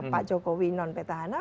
pak jokowi non petahana